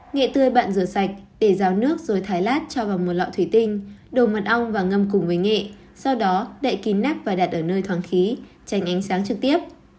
nghệ tươi bạn rửa sạch để rào nước rồi thái lát cho vào một lọ thủy tinh đồ mật ong và ngâm cùng với nghệ sau đó đậy kín nắp và đặt ở nơi thoáng khí tránh ánh sáng trực tiếp